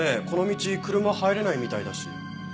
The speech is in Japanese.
この道車入れないみたいだし。